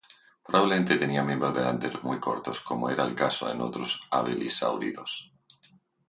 Probablemente tenía miembros delanteros muy cortos, como era el caso en otros abelisáuridos.